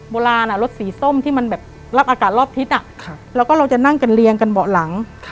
โบราณรถสีส้มที่มันแบบรับอากาศรอบทิศแล้วก็เราจะนั่งกันเรียงกันเบาะหลัง